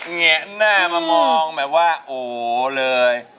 แงะหน้ามามองแบบว่าโอเลย